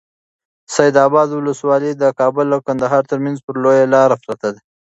سید اباد ولسوالي د کابل او کندهار ترمنځ پر لویه لاره پرته ده.